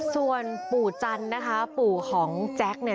ส่วนปู่จันทร์นะคะปู่ของแจ็คเนี่ย